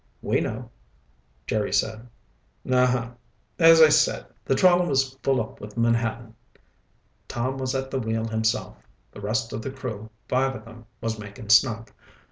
"We know," Jerry said. "Uhuh. As I said, the trawler was full up with menhaden. Tom was at the wheel himself. The rest of the crew, five of them, was making snug.